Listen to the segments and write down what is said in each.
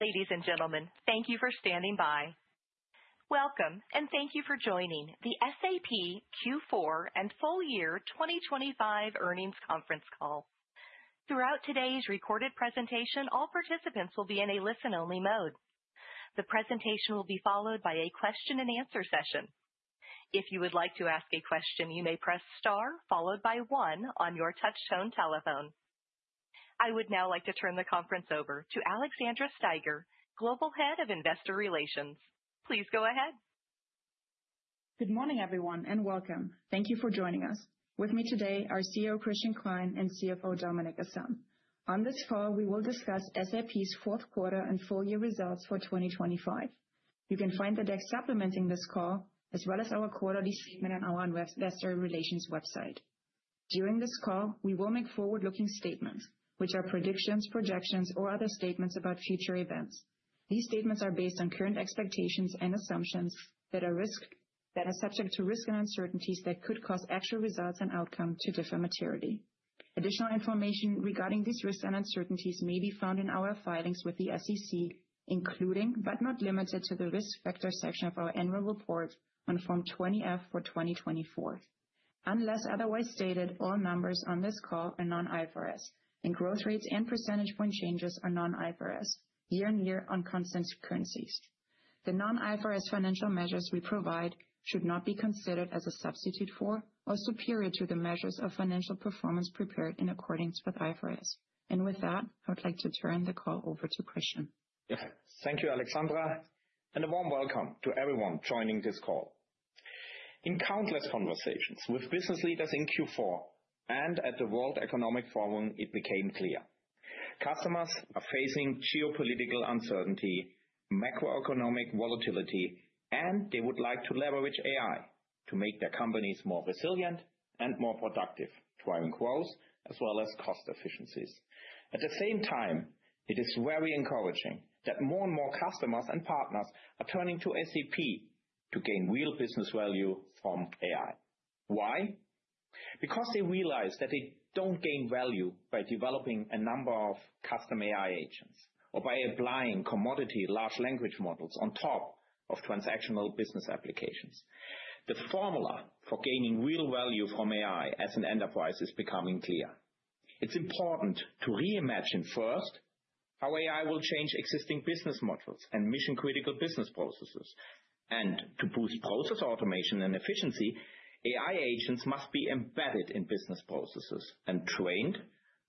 Ladies and gentlemen, thank you for standing by. Welcome, and thank you for joining the SAP Q4 and full year 2025 Earnings Conference Call. Throughout today's recorded presentation, all participants will be in a listen-only mode. The presentation will be followed by a Q&A session. If you would like to ask a question, you may press star, followed by one on your touchtone telephone. I would now like to turn the conference over to Alexandra Steiger, Global Head of Investor Relations. Please go ahead. Good morning, everyone, and welcome. Thank you for joining us. With me today are CEO Christian Klein and CFO Dominik Asam. On this call, we will discuss SAP's fourth quarter and full year results for 2025. You can find the deck supplementing this call, as well as our quarterly statement on our investor relations website. During this call, we will make forward-looking statements, which are predictions, projections, or other statements about future events. These statements are based on current expectations and assumptions that are subject to risks and uncertainties that could cause actual results and outcome to differ materially. Additional information regarding these risks and uncertainties may be found in our filings with the SEC, including, but not limited to, the risk factor section of our annual report on Form 20-F for 2024. Unless otherwise stated, all numbers on this call are non-IFRS, and growth rates and percentage point changes are non-IFRS, year-on-year on constant currencies. The non-IFRS financial measures we provide should not be considered as a substitute for or superior to the measures of financial performance prepared in accordance with IFRS. With that, I would like to turn the call over to Christian. Yeah. Thank you, Alexandra, and a warm welcome to everyone joining this call. In countless conversations with business leaders in Q4 and at the World Economic Forum, it became clear. Customers are facing geopolitical uncertainty, macroeconomic volatility, and they would like to leverage AI to make their companies more resilient and more productive, driving growth as well as cost efficiencies. At the same time, it is very encouraging that more and more customers and partners are turning to SAP to gain real business value from AI. Why? Because they realize that they don't gain value by developing a number of custom AI agents or by applying commodity large language models on top of transactional business applications. The formula for gaining real value from AI as an enterprise is becoming clear. It's important to reimagine first, how AI will change existing business models and mission-critical business processes. To boost process automation and efficiency, AI agents must be embedded in business processes and trained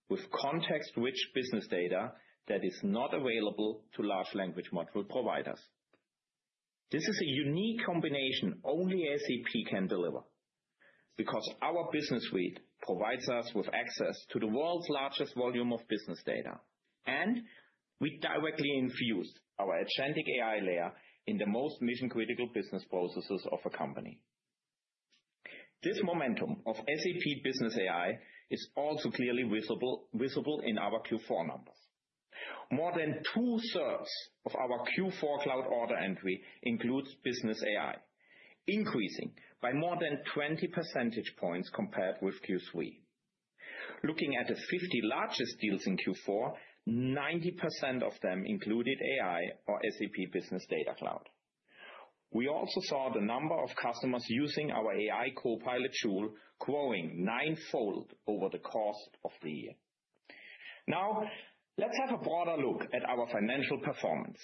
with context-rich business data that is not available to large language model providers. This is a unique combination only SAP can deliver, because our Business Suite provides us with access to the world's largest volume of business data, and we directly infuse our agentic AI layer in the most mission-critical business processes of a company. This momentum of SAP Business AI is also clearly visible in our Q4 numbers. More than two-thirds of our Q4 cloud order entry includes business AI, increasing by more than 20 percentage points compared with Q3. Looking at the 50 largest deals in Q4, 90% of them included AI or SAP Business Data Cloud. We also saw the number of customers using our AI copilot tool growing ninefold over the course of the year. Now, let's have a broader look at our financial performance.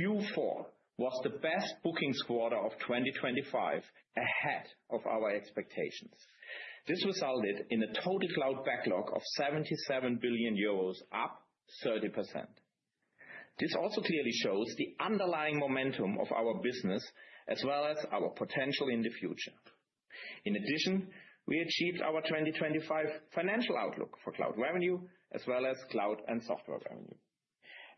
Q4 was the best bookings quarter of 2025, ahead of our expectations. This resulted in a total cloud backlog of 77 billion euros, up 30%. This also clearly shows the underlying momentum of our business, as well as our potential in the future. In addition, we achieved our 2025 financial outlook for cloud revenue, as well as cloud and software revenue.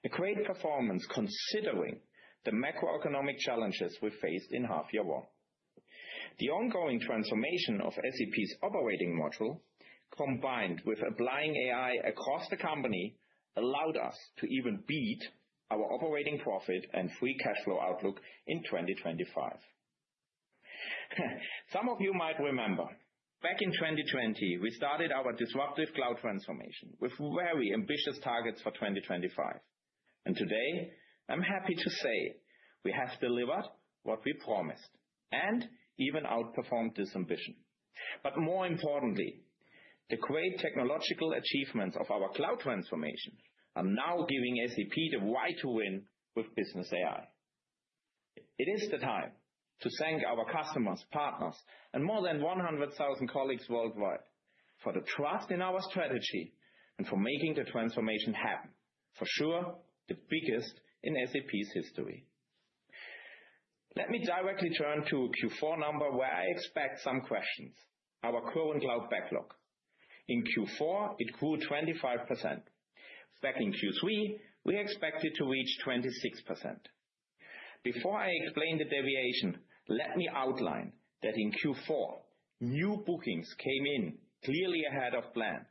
A great performance, considering the macroeconomic challenges we faced in half year one. The ongoing transformation of SAP's operating model, combined with applying AI across the company, allowed us to even beat our operating profit and free cash flow outlook in 2025. Some of you might remember, back in 2020, we started our disruptive cloud transformation with very ambitious targets for 2025, and today I'm happy to say we have delivered what we promised, and even outperformed this ambition. But more importantly, the great technological achievements of our cloud transformation are now giving SAP the right to win with business AI. It is the time to thank our customers, partners, and more than 100,000 colleagues worldwide for the trust in our strategy and for making the transformation happen, for sure, the biggest in SAP's history. Let me directly turn to Q4 number, where I expect some questions. Our current cloud backlog. In Q4, it grew 25%. Back in Q3, we expected to reach 26%. Before I explain the deviation, let me outline that in Q4, new bookings came in clearly ahead of plan,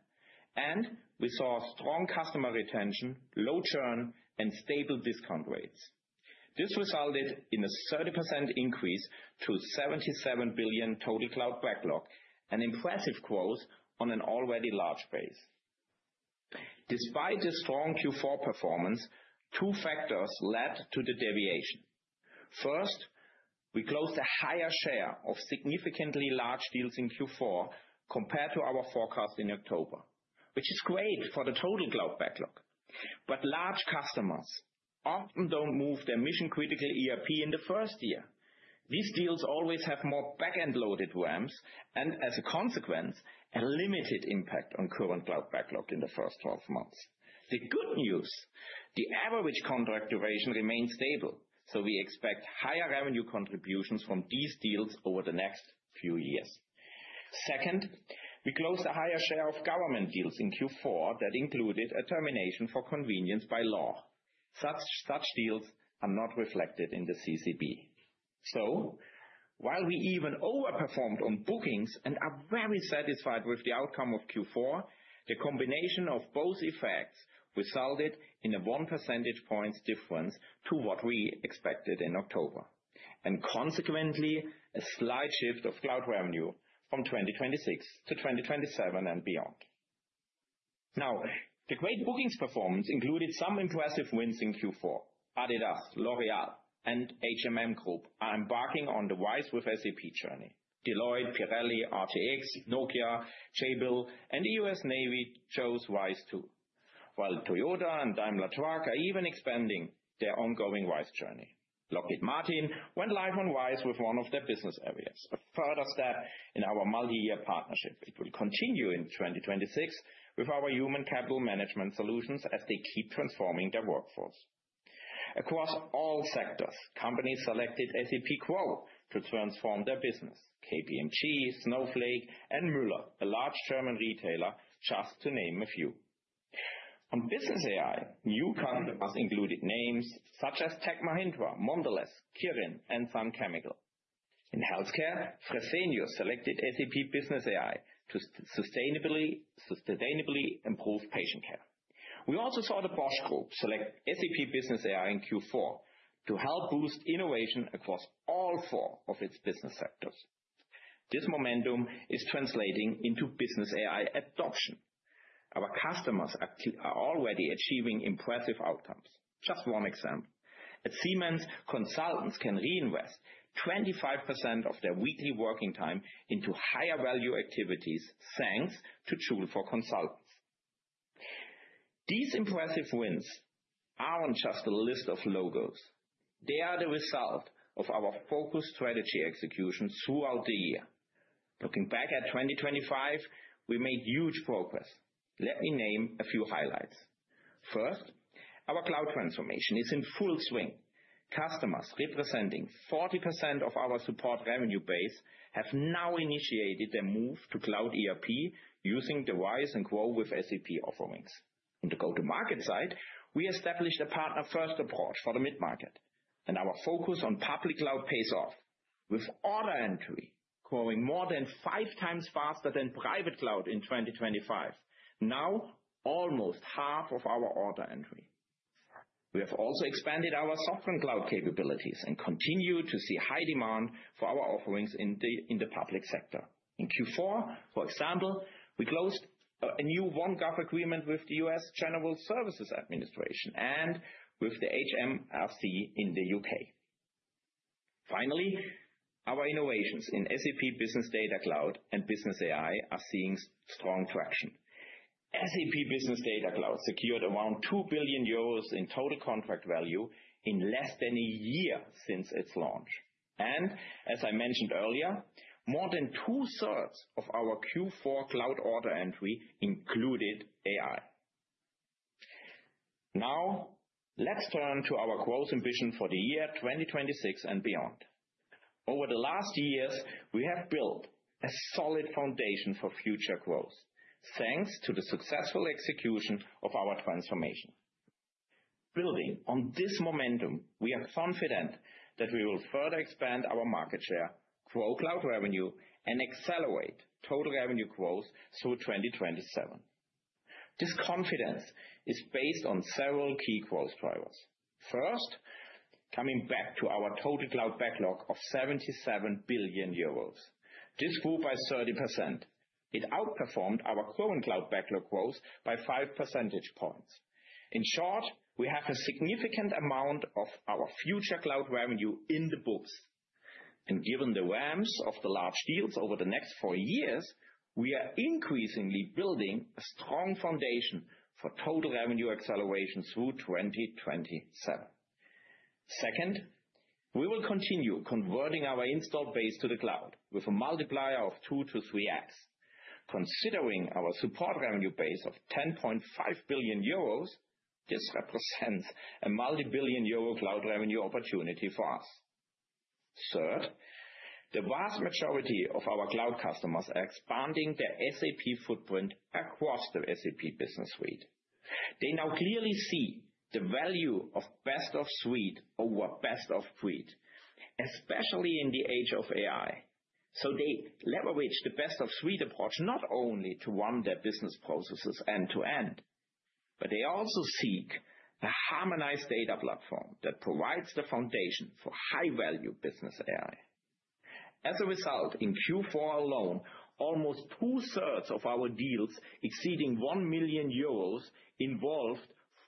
and we saw strong customer retention, low churn, and stable discount rates. This resulted in a 30% increase to €77 billion total cloud backlog, an impressive growth on an already large base. Despite the strong Q4 performance, two factors led to the deviation. First, we closed a higher share of significantly large deals in Q4 compared to our forecast in October, which is great for the total cloud backlog. But large customers often don't move their mission-critical ERP in the first year. These deals always have more back-end loaded ramps, and as a consequence, a limited impact on current cloud backlog in the first 12 months. The good news, the average contract duration remains stable, so we expect higher revenue contributions from these deals over the next few years. Second, we closed a higher share of government deals in Q4 that included a termination for convenience by law. Such deals are not reflected in the CCB. So while we even overperformed on bookings and are very satisfied with the outcome of Q4, the combination of both effects resulted in a one percentage point difference to what we expected in October, and consequently, a slight shift of cloud revenue from 2026 to 2027 and beyond. Now, the great bookings performance included some impressive wins in Q4. adidas, L’Oréal, and H&M Group are embarking on the RISE with SAP journey. Deloitte, Pirelli, RTX, Nokia, Jabil, and US Navy chose RISE, too. While Toyota and Daimler Truck are even expanding their ongoing RISE journey. Lockheed Martin went live on RISE with one of their business areas, a further step in our multi-year partnership. It will continue in 2026 with our human capital management solutions as they keep transforming their workforce. Across all sectors, companies selected GROW with SAP to transform their business. KPMG, Snowflake, and Müller, a large German retailer, just to name a few. On business AI, new customers included names such as Tech Mahindra, Mondelēz, Kirin, and Sun Chemical. In healthcare, Fresenius selected SAP Business AI to sustainably improve patient care. We also saw the Bosch Group select SAP Business AI in Q4 to help boost innovation across all four of its business sectors. This momentum is translating into business AI adoption. Our customers are already achieving impressive outcomes. Just one example: At Siemens, consultants can reinvest 25% of their weekly working time into higher value activities, thanks to Joule for Consultants. These impressive wins aren't just a list of logos, they are the result of our focused strategy execution throughout the year. Looking back at 2025, we made huge progress. Let me name a few highlights. First, our cloud transformation is in full swing. Customers representing 40% of our support revenue base have now initiated a move to cloud ERP using the RISE with SAP and GROW with SAP offerings. On the go-to-market side, we established a Partner-First approach for the mid-market, and our focus on public cloud pays off, with order entry growing more than 5 times faster than private cloud in 2025. Now, almost half of our order entry. We have also expanded our sovereign cloud capabilities and continue to see high demand for our offerings in the public sector. In Q4, for example, we closed a new OneGov agreement with the US General Services Administration and with the HMRC in the UK. Finally, our innovations in SAP Business Data Cloud and Business AI are seeing strong traction. SAP Business Data Cloud secured around 2 billion euros in total contract value in less than a year since its launch, and as I mentioned earlier, more than two-thirds of our Q4 cloud order entry included AI. Now, let's turn to our growth and vision for the year 2026 and beyond. Over the last years, we have built a solid foundation for future growth, thanks to the successful execution of our transformation. Building on this momentum, we are confident that we will further expand our market share, grow cloud revenue, and accelerate total revenue growth through 2027. This confidence is based on several key growth drivers. First, coming back to our total cloud backlog of 77 billion euros. This grew by 30%. It outperformed our current cloud backlog growth by 5 percentage points. In short, we have a significant amount of our future cloud revenue in the books, and given the ramps of the large deals over the next 4 years, we are increasingly building a strong foundation for total revenue acceleration through 2027. Second, we will continue converting our installed base to the cloud with a multiplier of 2-3x. Considering our support revenue base of 10.5 billion euros, this represents a multi-billion euro cloud revenue opportunity for us. Third, the vast majority of our cloud customers are expanding their SAP footprint across the SAP Business Suite. They now clearly see the value of best of suite over best of breed, especially in the age of AI.... So they leverage the best of suite approach, not only to run their business processes end to end, but they also seek a harmonized data platform that provides the foundation for high value business AI. As a result, in Q4 alone, almost two-thirds of our deals exceeding 1 million euros involved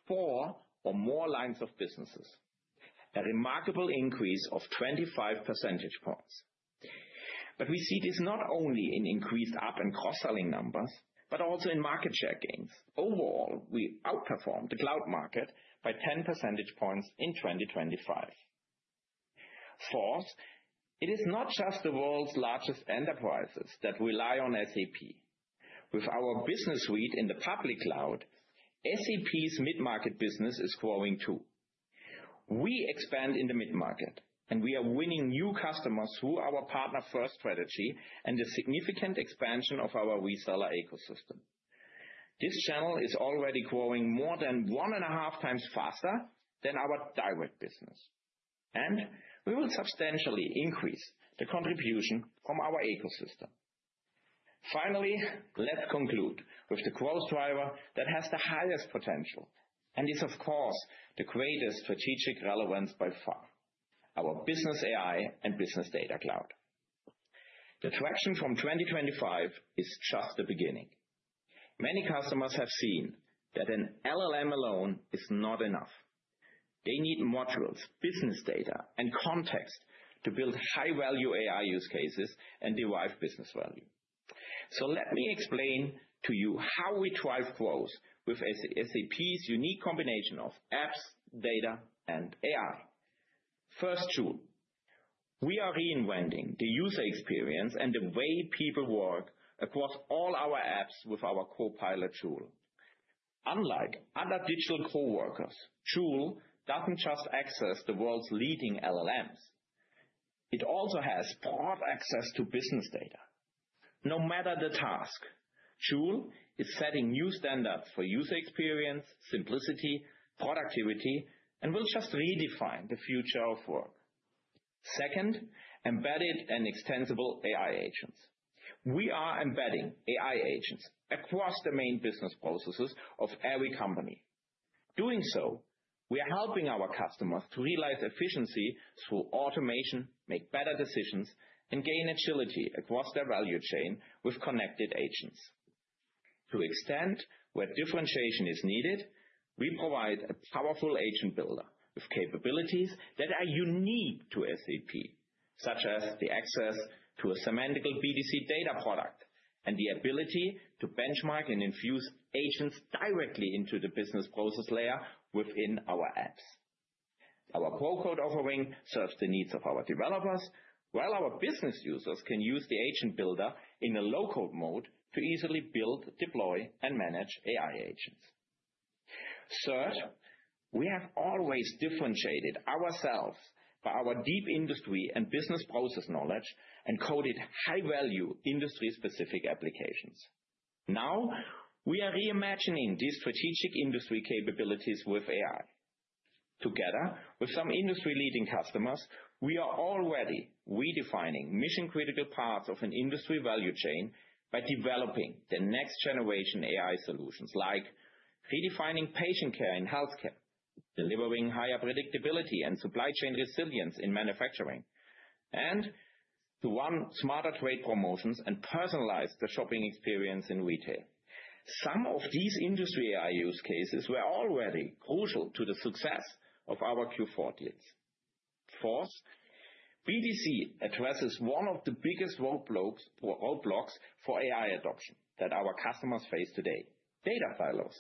4 or more lines of business, a remarkable increase of 25 percentage points. But we see this not only in increased up and cross-selling numbers, but also in market share gains. Overall, we outperformed the cloud market by 10 percentage points in 2025. Fourth, it is not just the world's largest enterprises that rely on SAP. With our Business Suite in the public cloud, SAP's mid-market business is growing, too. We expand in the mid-market, and we are winning new customers through our partner first strategy and the significant expansion of our reseller ecosystem. This channel is already growing more than one and a half times faster than our direct business, and we will substantially increase the contribution from our ecosystem. Finally, let's conclude with the growth driver that has the highest potential and is, of course, the greatest strategic relevance by far, our Business AI and Business Data Cloud. The traction from 2025 is just the beginning. Many customers have seen that an LLM alone is not enough. They need modules, business data, and context to build high-value AI use cases and derive business value. So let me explain to you how we drive growth with SAP's unique combination of apps, data, and AI. First, Joule. We are reinventing the user experience and the way people work across all our apps with our Copilot tool. Unlike other digital coworkers, Joule doesn't just access the world's leading LLMs, it also has broad access to business data. No matter the task, Joule is setting new standards for user experience, simplicity, productivity, and will just redefine the future of work. Second, embedded and extensible AI agents. We are embedding AI agents across the main business processes of every company. Doing so, we are helping our customers to realize efficiency through automation, make better decisions, and gain agility across their value chain with connected agents. To extend where differentiation is needed, we provide a powerful agent builder with capabilities that are unique to SAP, such as the access to a semantic BTP data product and the ability to benchmark and infuse agents directly into the business process layer within our apps. Our low-code offering serves the needs of our developers, while our business users can use the Agent Builder in a low-code mode to easily build, deploy, and manage AI agents. Third, we have always differentiated ourselves by our deep industry and business process knowledge and coded high-value, industry-specific applications. Now, we are reimagining these strategic industry capabilities with AI. Together with some industry-leading customers, we are already redefining mission-critical parts of an industry value chain by developing the next generation AI solutions, like redefining patient care in healthcare, delivering higher predictability and supply chain resilience in manufacturing, and to run smarter trade promotions and personalize the shopping experience in retail. Some of these industry AI use cases were already crucial to the success of our Q4 deals. Fourth, BTP addresses one of the biggest roadblocks for AI adoption that our customers face today, data silos.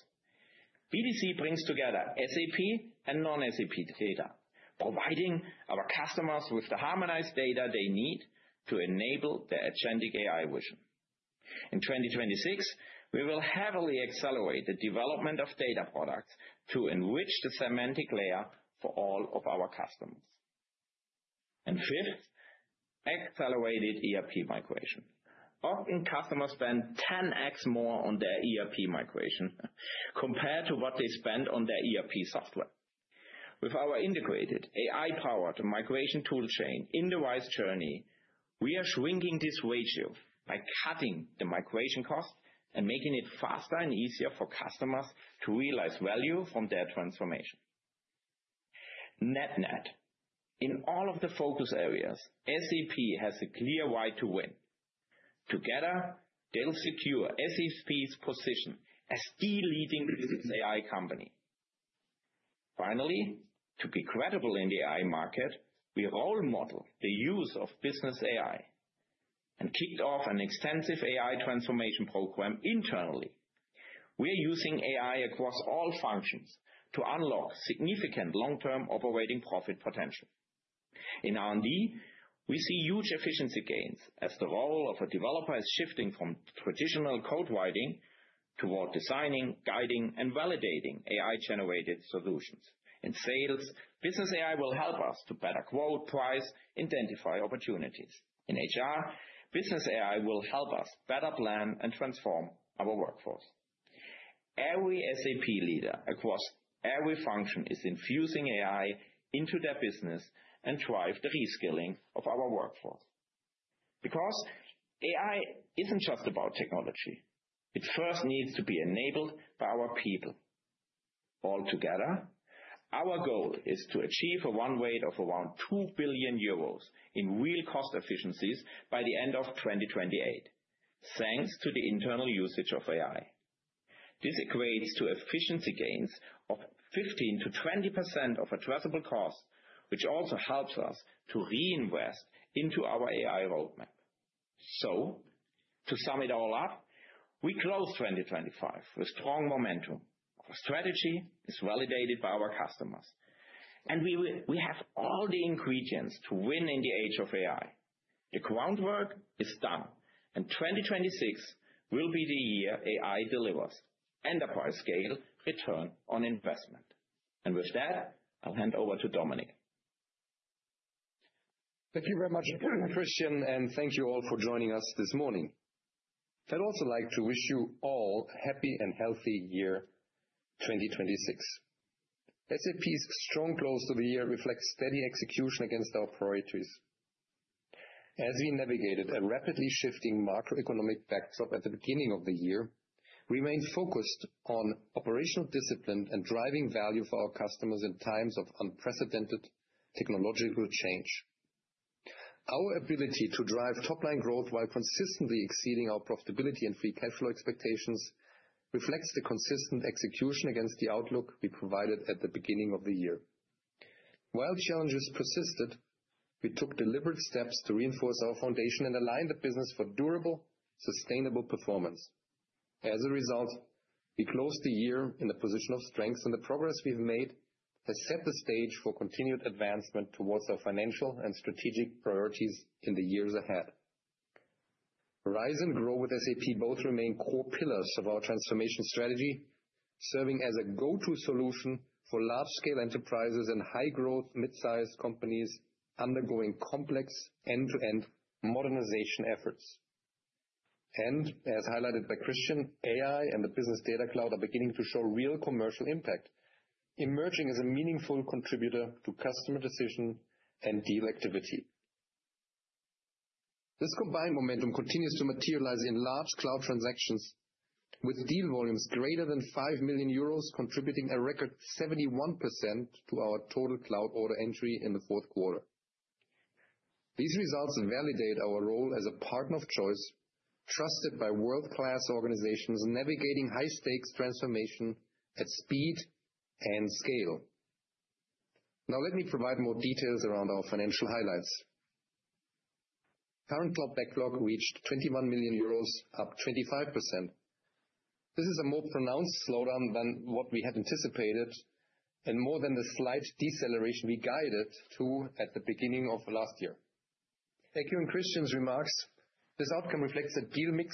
BTP brings together SAP and non-SAP data, providing our customers with the harmonized data they need to enable their agentic AI vision. In 2026, we will heavily accelerate the development of data products to enrich the semantic layer for all of our customers. And fifth, accelerated ERP migration. Often, customers spend 10x more on their ERP migration compared to what they spend on their ERP software. With our integrated AI-powered migration tool chain in the RISE journey, we are shrinking this ratio by cutting the migration cost and making it faster and easier for customers to realize value from their transformation. Net net, in all of the focus areas, SAP has a clear way to win. Together, they'll secure SAP's position as the leading business AI company. Finally, to be credible in the AI market, we role model the use of business AI and kicked off an extensive AI transformation program internally. We are using AI across all functions to unlock significant long-term operating profit potential. In R&D, we see huge efficiency gains as the role of a developer is shifting from traditional code writing toward designing, guiding, and validating AI-generated solutions. In sales, business AI will help us to better quote, price, identify opportunities. In HR, business AI will help us better plan and transform our workforce.... Every SAP leader across every function is infusing AI into their business and drive the reskilling of our workforce. Because AI isn't just about technology, it first needs to be enabled by our people. Altogether, our goal is to achieve a run rate of around 2 billion euros in real cost efficiencies by the end of 2028, thanks to the internal usage of AI. This equates to efficiency gains of 15%-20% of addressable costs, which also helps us to reinvest into our AI roadmap. So to sum it all up, we closed 2025 with strong momentum. Our strategy is validated by our customers, and we have all the ingredients to win in the age of AI. The groundwork is done, and 2026 will be the year AI delivers and upon scale, return on investment. And with that, I'll hand over to Dominik. Thank you very much, Christian, and thank you all for joining us this morning. I'd also like to wish you all a happy and healthy year, 2026. SAP's strong close to the year reflects steady execution against our priorities. As we navigated a rapidly shifting macroeconomic backdrop at the beginning of the year, we remained focused on operational discipline and driving value for our customers in times of unprecedented technological change. Our ability to drive top line growth while consistently exceeding our profitability and free cash flow expectations, reflects the consistent execution against the outlook we provided at the beginning of the year. While challenges persisted, we took deliberate steps to reinforce our foundation and align the business for durable, sustainable performance. As a result, we closed the year in a position of strength, and the progress we've made has set the stage for continued advancement towards our financial and strategic priorities in the years ahead. RISE and GROW with SAP both remain core pillars of our transformation strategy, serving as a go-to solution for large-scale enterprises and high-growth, mid-sized companies undergoing complex end-to-end modernization efforts. And as highlighted by Christian, AI and the business data cloud are beginning to show real commercial impact, emerging as a meaningful contributor to customer decision and deal activity. This combined momentum continues to materialize in large cloud transactions, with deal volumes greater than 5 million euros, contributing a record 71% to our total cloud order entry in the fourth quarter. These results validate our role as a partner of choice, trusted by world-class organizations, navigating high-stakes transformation at speed and scale. Now, let me provide more details around our financial highlights. Current cloud backlog reached 21 billion euros, up 25%. This is a more pronounced slowdown than what we had anticipated and more than the slight deceleration we guided to at the beginning of last year. Like in Christian's remarks, this outcome reflects a deal mix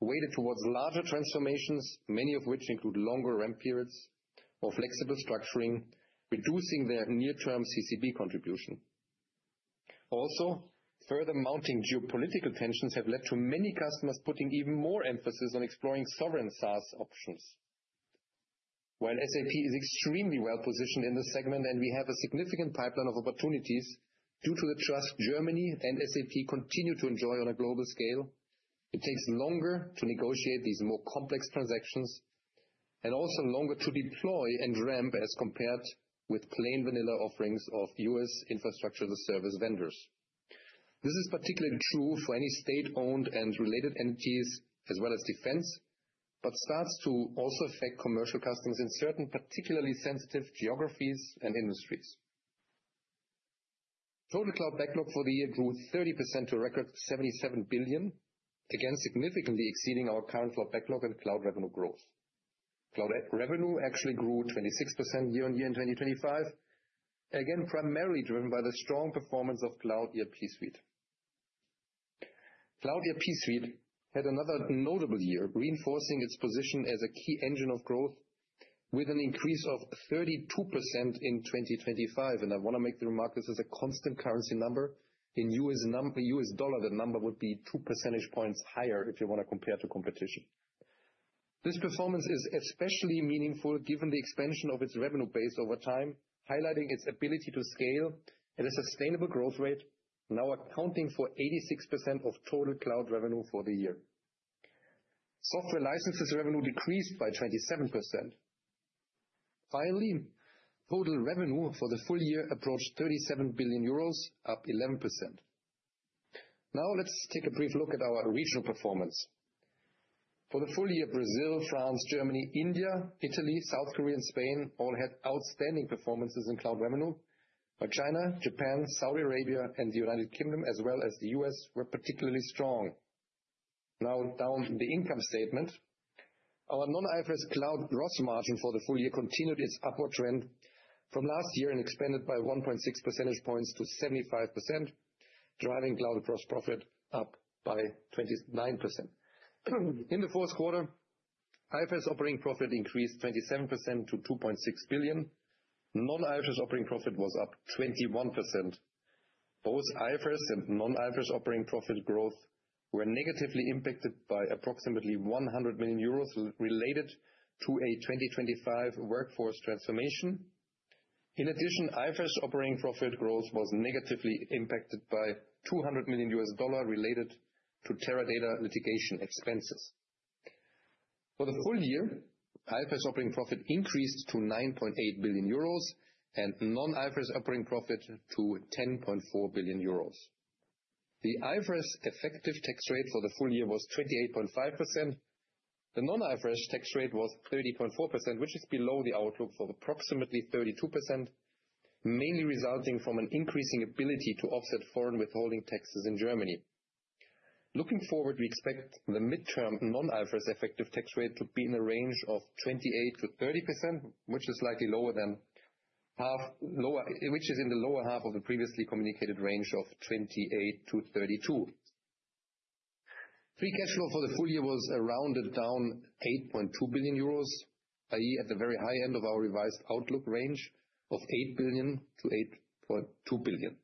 weighted towards larger transformations, many of which include longer ramp periods or flexible structuring, reducing their near-term CCB contribution. Also, further mounting geopolitical tensions have led to many customers putting even more emphasis on exploring sovereign SaaS options. While SAP is extremely well positioned in this segment, and we have a significant pipeline of opportunities due to the trust Germany and SAP continue to enjoy on a global scale, it takes longer to negotiate these more complex transactions and also longer to deploy and ramp as compared with plain vanilla offerings of U.S. infrastructure as a service vendors. This is particularly true for any state-owned and related entities, as well as defense, but starts to also affect commercial customers in certain particularly sensitive geographies and industries. Total Cloud Backlog for the year grew 30% to a record 77 billion, again, significantly exceeding our Current Cloud Backlog and cloud revenue growth. Cloud revenue actually grew 26% year-over-year in 2025, again, primarily driven by the strong performance of Cloud ERP Suite. Cloud ERP Suite had another notable year, reinforcing its position as a key engine of growth with an increase of 32% in 2025. And I want to make the remark, this is a constant currency number. In US dollar, the number would be 2 percentage points higher if you want to compare to competition. This performance is especially meaningful given the expansion of its revenue base over time, highlighting its ability to scale at a sustainable growth rate, now accounting for 86% of total cloud revenue for the year. Software licenses revenue decreased by 27%. Finally, total revenue for the full year approached 37 billion euros, up 11%. Now, let's take a brief look at our regional performance. For the full year, Brazil, France, Germany, India, Italy, South Korea, and Spain all had outstanding performances in cloud revenue, but China, Japan, Saudi Arabia, and the United Kingdom, as well as the U.S., were particularly strong. Now, down to the income statement. Our non-IFRS cloud gross margin for the full year continued its upward trend from last year and expanded by 1.6 percentage points to 75%, driving cloud gross profit up by 29%. In the fourth quarter, IFRS operating profit increased 27% to €2.6 billion. Non-IFRS operating profit was up 21%. Both IFRS and non-IFRS operating profit growth were negatively impacted by approximately 100 million euros related to a 2025 workforce transformation. In addition, IFRS operating profit growth was negatively impacted by $200 million related to Teradata litigation expenses. For the full year, IFRS operating profit increased to 9.8 billion euros and non-IFRS operating profit to 10.4 billion euros. The IFRS effective tax rate for the full year was 28.5%. The non-IFRS tax rate was 30.4%, which is below the outlook for approximately 32%, mainly resulting from an increasing ability to offset foreign withholding taxes in Germany. Looking forward, we expect the midterm non-IFRS effective tax rate to be in the range of 28%-30%, which is slightly lower than half lower, which is in the lower half of the previously communicated range of 28%-32%. Free cash flow for the full year was around 8.2 billion euros, i.e., at the very high end of our revised outlook range of 8 billion-8.2 billion.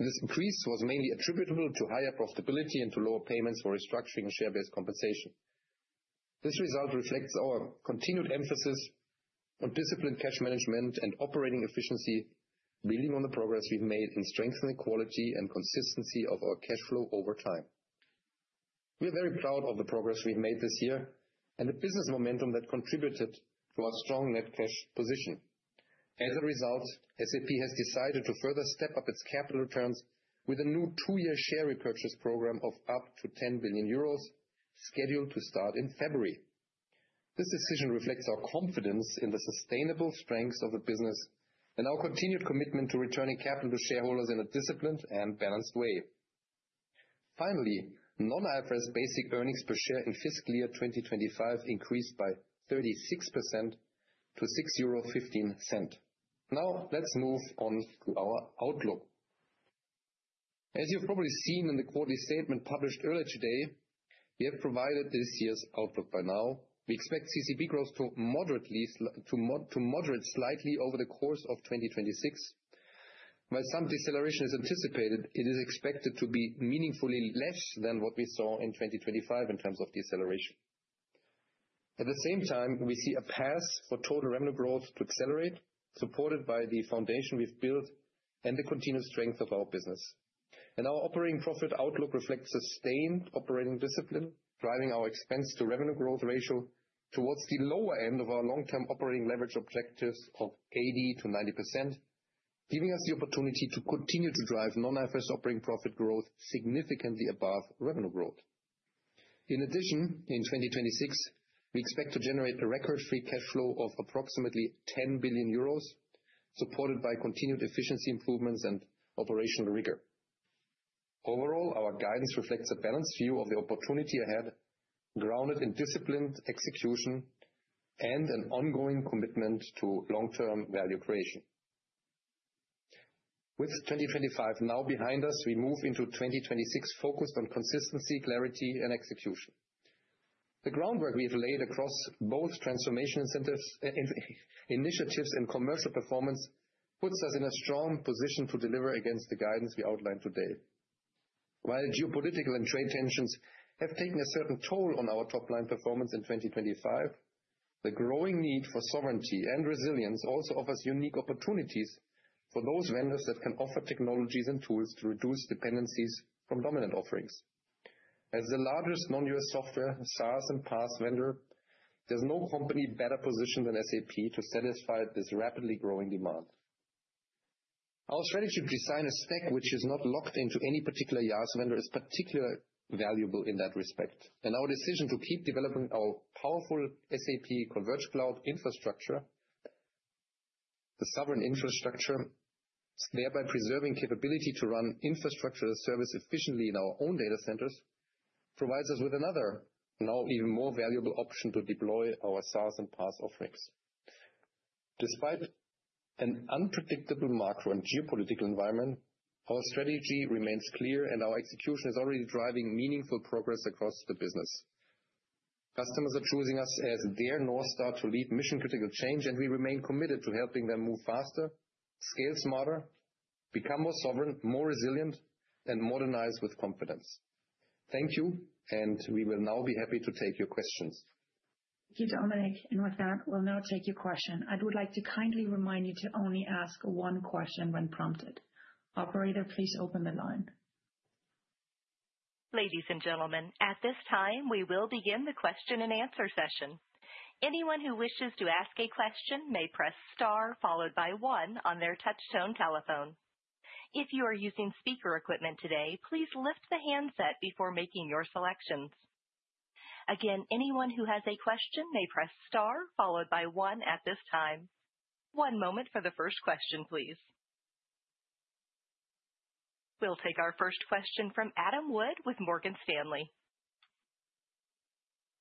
This increase was mainly attributable to higher profitability and to lower payments for restructuring share-based compensation. This result reflects our continued emphasis on disciplined cash management and operating efficiency, building on the progress we've made in strengthening the quality and consistency of our cash flow over time. We are very proud of the progress we've made this year and the business momentum that contributed to our strong net cash position. As a result, SAP has decided to further step up its capital returns with a new two-year share repurchase program of up to 10 billion euros, scheduled to start in February. This decision reflects our confidence in the sustainable strengths of the business and our continued commitment to returning capital to shareholders in a disciplined and balanced way. Finally, non-IFRS basic earnings per share in fiscal year 2025 increased by 36% to €6.15. Now, let's move on to our outlook. As you've probably seen in the quarterly statement published earlier today, we have provided this year's outlook by now. We expect CCB growth to moderate slightly over the course of 2026. While some deceleration is anticipated, it is expected to be meaningfully less than what we saw in 2025 in terms of deceleration. At the same time, we see a path for total revenue growth to accelerate, supported by the foundation we've built and the continued strength of our business. And our operating profit outlook reflects sustained operating discipline, driving our expense to revenue growth ratio towards the lower end of our long-term operating leverage objectives of 80%-90%, giving us the opportunity to continue to drive Non-IFRS operating profit growth significantly above revenue growth. In addition, in 2026, we expect to generate a record free cash flow of approximately 10 billion euros, supported by continued efficiency improvements and operational rigor. Overall, our guidance reflects a balanced view of the opportunity ahead, grounded in disciplined execution and an ongoing commitment to long-term value creation. With 2025 now behind us, we move into 2026 focused on consistency, clarity, and execution. The groundwork we have laid across both transformation centers initiatives and commercial performance puts us in a strong position to deliver against the guidance we outlined today. While geopolitical and trade tensions have taken a certain toll on our top-line performance in 2025, the growing need for sovereignty and resilience also offers unique opportunities for those vendors that can offer technologies and tools to reduce dependencies from dominant offerings. As the largest non-US software, SaaS, and PaaS vendor, there's no company better positioned than SAP to satisfy this rapidly growing demand. Our strategy to design a stack which is not locked into any particular IaaS vendor is particularly valuable in that respect. Our decision to keep developing our powerful SAP Converged Cloud infrastructure, the sovereign infrastructure, thereby preserving capability to run Infrastructure as a Service efficiently in our own data centers, provides us with another, now even more valuable, option to deploy our SaaS and PaaS offerings. Despite an unpredictable macro and geopolitical environment, our strategy remains clear, and our execution is already driving meaningful progress across the business. Customers are choosing us as their North Star to lead mission-critical change, and we remain committed to helping them move faster, scale smarter, become more sovereign, more resilient, and modernize with confidence. Thank you, and we will now be happy to take your questions. Thank you, Dominik. With that, we'll now take your question. I would like to kindly remind you to only ask one question when prompted. Operator, please open the line. Ladies and gentlemen, at this time, we will begin the question-and-answer session. Anyone who wishes to ask a question may press star, followed by one on their touchtone telephone. If you are using speaker equipment today, please lift the handset before making your selections. Again, anyone who has a question may press star followed by one at this time. One moment for the first question, please. We'll take our first question from Adam Wood with Morgan Stanley.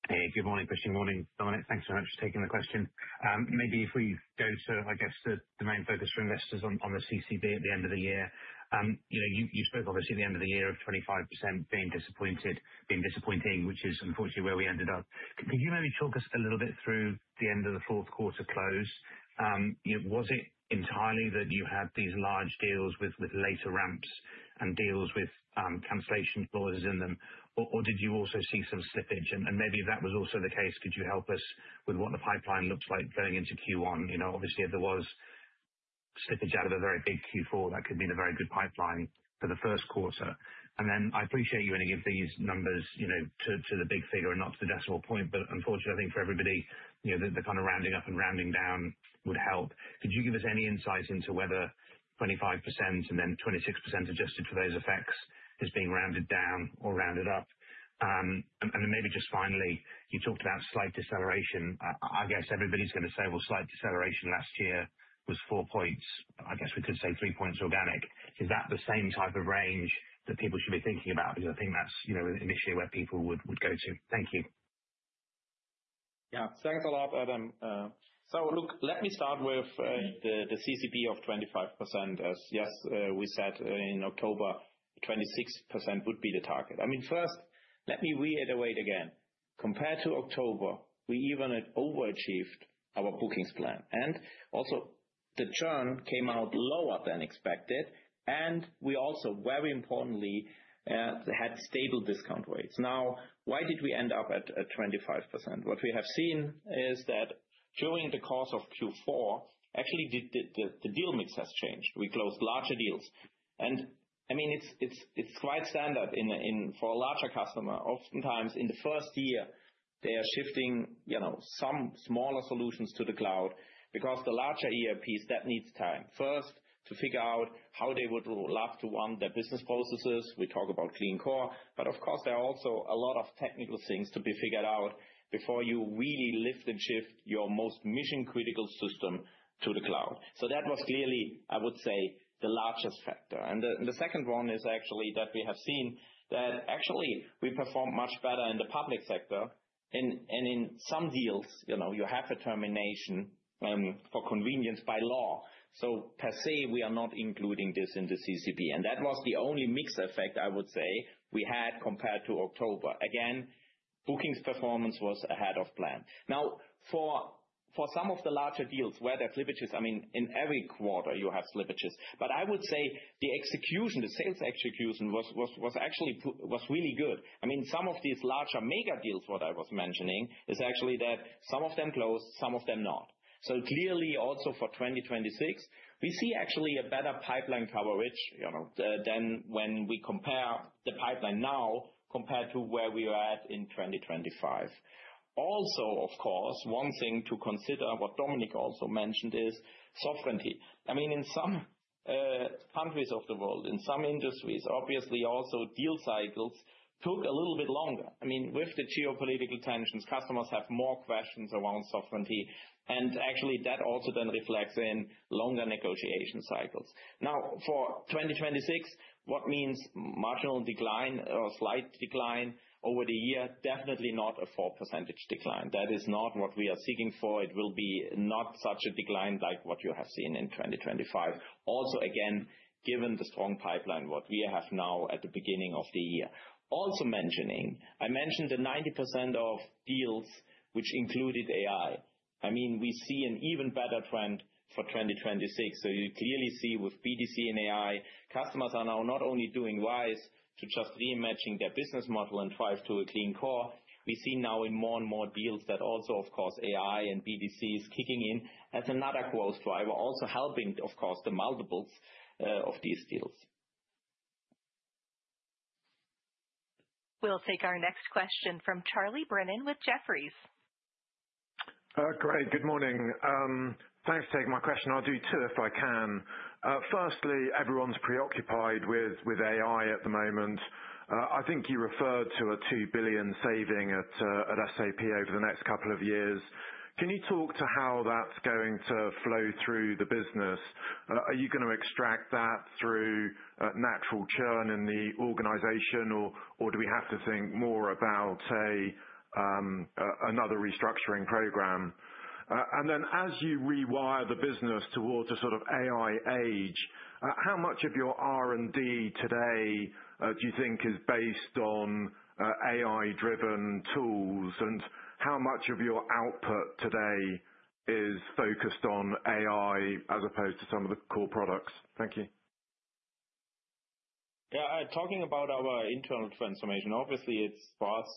Hey, good morning. Good morning, Dominik. Thanks so much for taking the question. Maybe if we go to, I guess, the main focus for investors on the CCB at the end of the year. You know, you spoke obviously at the end of the year of 25% being disappointing, which is unfortunately where we ended up. Could you maybe talk us a little bit through the end of the fourth quarter close? You know, was it entirely that you had these large deals with later ramps and deals with cancellation clauses in them, or did you also see some slippage? And maybe if that was also the case, could you help us with what the pipeline looks like going into Q1? You know, obviously, if there was slippage out of a very big Q4, that could mean a very good pipeline for the first quarter. And then I appreciate you only give these numbers, you know, to the big figure and not to the decimal point, but unfortunately, I think for everybody, you know, the kind of rounding up and rounding down would help. Could you give us any insight into whether 25% and then 26% adjusted for those effects is being rounded down or rounded up? And then maybe just finally, you talked about slight deceleration. I guess everybody's going to say, well, slight deceleration last year was 4 points, I guess we could say 3 points organic. Is that the same type of range that people should be thinking about? Because I think that's, you know, initially where people would go to. Thank you. Yeah, thanks a lot, Adam. So look, let me start with the CCB of 25%. As yes, we said in October, 26% would be the target. I mean, first, let me reiterate again. Compared to October, we even had overachieved our bookings plan, and also the churn came out lower than expected, and we also, very importantly, had stable discount rates. Now, why did we end up at 25%? What we have seen is that during the course of Q4, actually the deal mix has changed. We closed larger deals. And I mean, it's quite standard in for a larger customer, oftentimes in the first year, they are shifting, you know, some smaller solutions to the cloud, because the larger ERPs, that needs time. First, to figure out how they would love to run their business processes. We talk about Clean Core. But of course, there are also a lot of technical things to be figured out before you really lift and shift your most mission-critical system to the cloud. So that was clearly, I would say, the largest factor. And the second one is actually that we have seen that actually we perform much better in the public sector. And in some deals, you know, you have a termination for convenience by law. So per se, we are not including this in the CCB, and that was the only mix effect I would say we had compared to October. Again, bookings performance was ahead of plan. Now, for some of the larger deals where there are slippages, I mean, in every quarter you have slippages, but I would say the execution, the sales execution was really good. I mean, some of these larger mega deals, what I was mentioning, is actually that some of them closed, some of them not. So clearly, also for 2026, we see actually a better pipeline coverage, you know, than when we compare the pipeline now compared to where we were at in 2025. Also, of course, one thing to consider, what Dominik also mentioned, is sovereignty. I mean, in some countries of the world, in some industries, obviously also deal cycles took a little bit longer. I mean, with the geopolitical tensions, customers have more questions around sovereignty, and actually that also then reflects in longer negotiation cycles. Now, for 2026, what means marginal decline or slight decline over the year? Definitely not a 4% decline. That is not what we are seeking for. It will be not such a decline like what you have seen in 2025. Also, again, given the strong pipeline, what we have now at the beginning of the year. Also mentioning, I mentioned that 90% of deals which included AI. I mean, we see an even better trend for 2026. So you clearly see with BTP and AI, customers are now not only doing wise to just reimagining their business model and drive to a Clean Core. We see now in more and more deals that also, of course, AI and BTP is kicking in as another growth driver, also helping, of course, the multiples of these deals. We'll take our next question from Charles Brennan with Jefferies. Great, good morning. Thanks for taking my question. I'll do two if I can. Firstly, everyone's preoccupied with, with AI at the moment. I think you referred to a 2 billion saving at, at SAP over the next couple of years. Can you talk to how that's going to flow through the business? Are you gonna extract that through, natural churn in the organization, or, or do we have to think more about, say, another restructuring program? And then as you rewire the business towards a sort of AI age, how much of your R&D today, do you think is based on, AI-driven tools? And how much of your output today is focused on AI as opposed to some of the core products? Thank you. Yeah, talking about our internal transformation, obviously it's for us,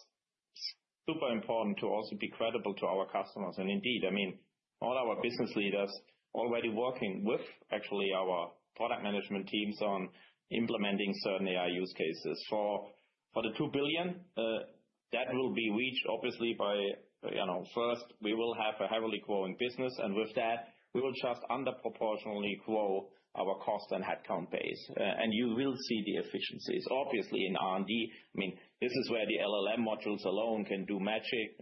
super important to also be credible to our customers. Indeed, I mean, all our business leaders already working with actually our product management teams on implementing certain AI use cases. For the 2 billion, that will be reached obviously by, you know, first, we will have a heavily growing business, and with that, we will just under proportionally grow our cost and headcount base. And you will see the efficiencies. Obviously, in R&D, I mean, this is where the LLM modules alone can do magic,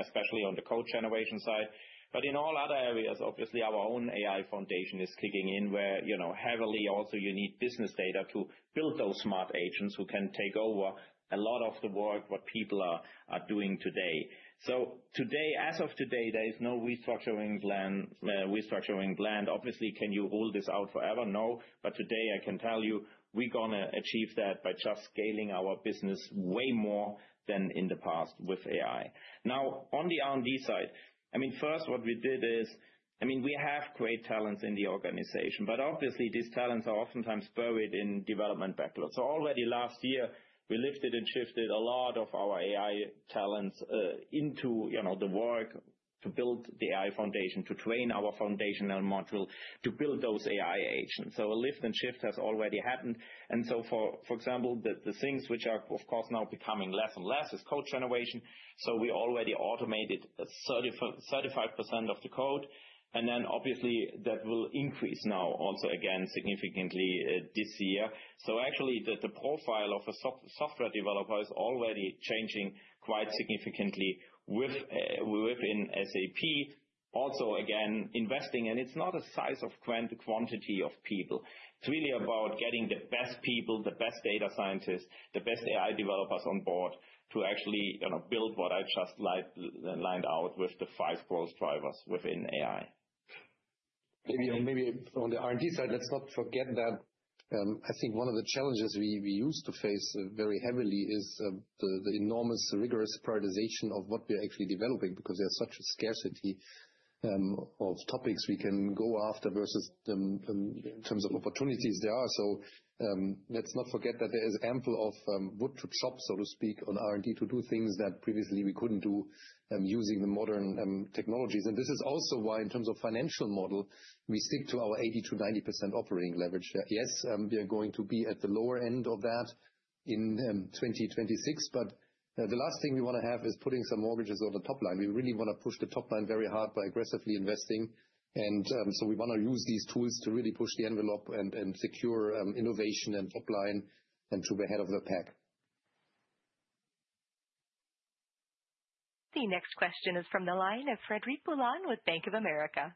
especially on the code generation side. But in all other areas, obviously, our own AI foundation is kicking in, where, you know, heavily also you need business data to build those smart agents who can take over a lot of the work what people are doing today. So today, as of today, there is no restructuring plan, restructuring plan. Obviously, can you hold this out forever? No. But today I can tell you we're gonna achieve that by just scaling our business way more than in the past with AI. Now, on the R&D side, I mean, first what we did is... I mean, we have great talents in the organization, but obviously, these talents are oftentimes buried in development backlog. So already last year, we lifted and shifted a lot of our AI talents into, you know, the work to build the AI foundation, to train our foundational module, to build those AI agents. So a lift and shift has already happened. And so, for example, the things which are, of course, now becoming less and less is code generation. So we already automated 35% of the code, and then obviously that will increase now also again significantly this year. So actually, the profile of a software developer is already changing quite significantly within SAP. Also, again, investing, and it's not a size of quantity of people. It's really about getting the best people, the best data scientists, the best AI developers on board to actually, you know, build what I just lined out with the five growth drivers within AI. Maybe, maybe on the R&D side, let's not forget that, I think one of the challenges we used to face very heavily is the enormous rigorous prioritization of what we are actually developing, because there's such a scarcity of topics we can go after versus the in terms of opportunities there are. So, let's not forget that there is ample of wood to chop, so to speak, on R&D, to do things that previously we couldn't do using the modern technologies. And this is also why, in terms of financial model, we stick to our 80%-90% operating leverage. Yes, we are going to be at the lower end of that in 2026, but the last thing we want to have is putting some mortgages on the top line. We really want to push the top line very hard by aggressively investing, and so we want to use these tools to really push the envelope and secure innovation and top line and to be ahead of the pack. The next question is from the line of Frederic Boulan with Bank of America.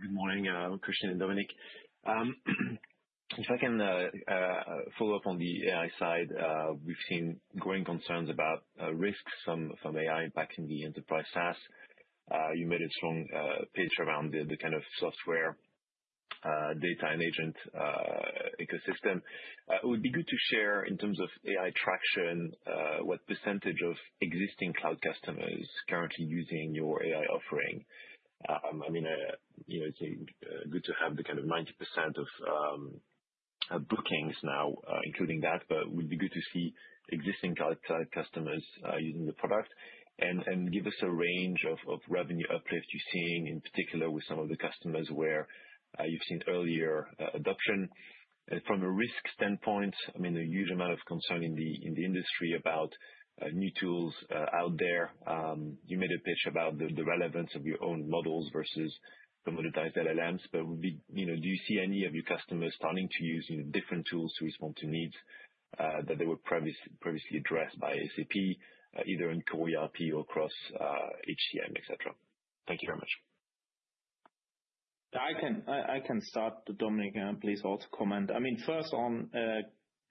Good morning, Christian and Dominik. If I can follow up on the AI side. We've seen growing concerns about risks from AI impacting the enterprise SaaS. You made a strong pitch around the kind of software data and agent ecosystem. It would be good to share, in terms of AI traction, what percentage of existing cloud customers currently using your AI offering. I mean, you know, it's good to have the kind of 90% of bookings now including that, but it would be good to see existing cloud customers using the product. And give us a range of revenue uplift you're seeing, in particular with some of the customers where you've seen earlier adoption. From a risk standpoint, I mean, a huge amount of concern in the, in the industry about new tools out there. You made a pitch about the, the relevance of your own models versus the monetized LLMs, but would be you know, do you see any of your customers starting to use, you know, different tools to respond to needs that they were previous-previously addressed by SAP, either in core ERP or across, HCM, et cetera? Thank you very much. I can start, Dominik, and please also comment. I mean, first on